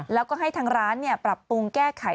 แล้วก็ให้ทางร้านปรับปรุงแก้ไข